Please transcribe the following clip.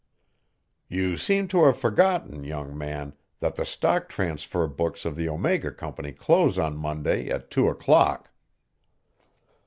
"You seem to have forgotten, young man, that the stock transfer books of the Omega Company close on Monday at two o'clock."